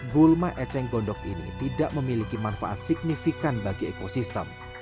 gulma eceng gondok ini tidak memiliki manfaat signifikan bagi ekosistem